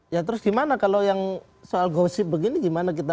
ya terus gimana kalau yang soal gosip begini juga